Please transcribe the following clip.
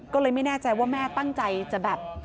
ก็เลยไม่แน่ใจว่าแม่ตั้งใจจะแบบ